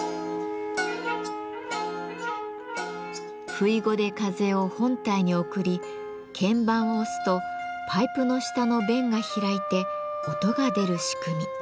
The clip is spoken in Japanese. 「ふいご」で風を本体に送り鍵盤を押すとパイプの下の弁が開いて音が出る仕組み。